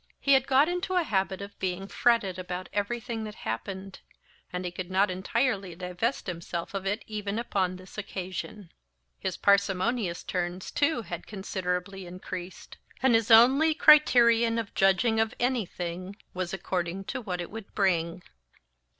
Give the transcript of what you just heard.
He had got into a habit of being fretted about everything that happened, and he could not entirely divest himself of it even upon this occasion. His parsimonious turns, too, had considerably increased; and his only criterion of judging of anything was according to what it would bring.